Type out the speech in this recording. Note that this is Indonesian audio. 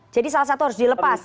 jadi salah satu harus dilepas